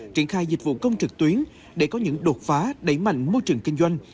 triển khai dịch vụ công trực tuyến để có những đột phá đẩy mạnh môi trường kinh doanh